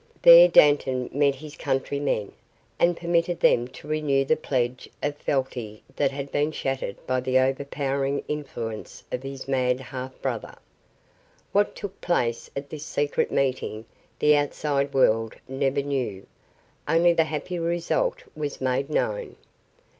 There Dantan met his countrymen and permitted them to renew the pledge of fealty that had been shattered by the overpowering influence of his mad half brother. What took place at this secret meeting the outside world never knew. Only the happy result was made known.